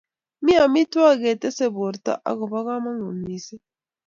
mi amitwangik chetese borto ak kobo kamangut mising